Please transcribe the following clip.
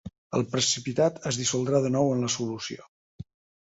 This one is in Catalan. El precipitat es dissoldrà de nou en la solució.